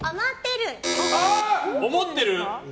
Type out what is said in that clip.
思ってる！